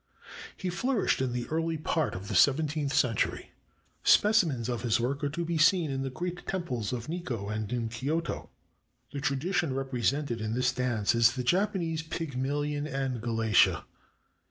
He flourished in the early part of the seventeenth century. Specimens of his work are to be seen in the great temples at Nikko and in Kioto. The tradition represented in this dance is the Japanese ''Pygmalion and Galatea."